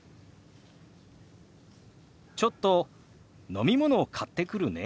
「ちょっと飲み物買ってくるね」。